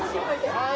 はい。